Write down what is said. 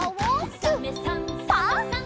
「サメさんサバさん」